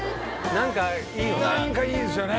何かいいですよね。